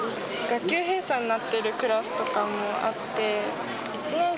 学級閉鎖になってるクラスとかもあって。